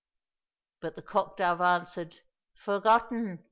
— But the cock dove answered, " For gotten